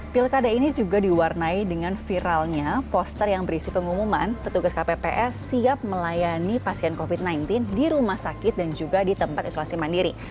pilkada ini juga diwarnai dengan viralnya poster yang berisi pengumuman petugas kpps siap melayani pasien covid sembilan belas di rumah sakit dan juga di tempat isolasi mandiri